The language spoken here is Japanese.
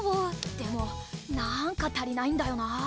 でもなんか足りないんだよな。